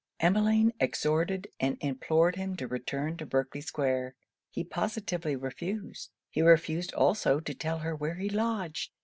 Emmeline exhorted and implored him to return to Berkley square. He positively refused. He refused also to tell her where he lodged.